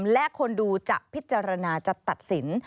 และคนดูจะพิจารณาจะตัดสิน